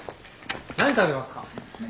何食べますか？